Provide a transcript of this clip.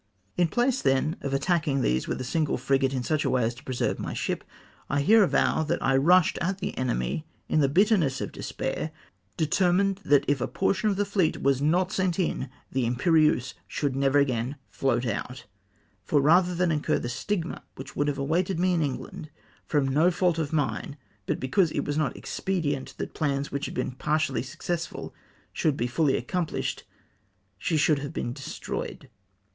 In place, tlien, of attacking these with a single frigate, in such a way as to ^'•preserve my ship" I here avow that I rushed at the enemy in the bitterness of despair, determined that if a portion of the fleet was not sent in, the Imperieuse should never again float out; for rather than incur the stigma which would have awaited me in England, from no fault of mine, but because it was not expedient that plans which had been partially successful should be fully accomphshed, she should have been destroyed.